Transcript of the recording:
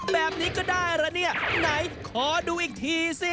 แบบนี้ก็ได้ละเนี่ยไหนขอดูอีกทีสิ